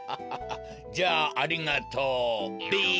じゃあありがとうべ。